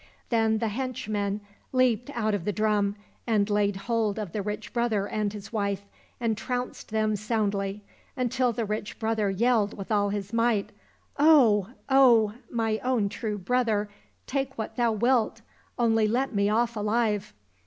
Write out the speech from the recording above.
" Then the henchmen leaped out of the drum, and laid hold of the rich brother and his wife, and trounced them soundly, until the rich brother yelled with all his might, " Oh, oh ! my own true brother, take what thou wilt, only let me off alive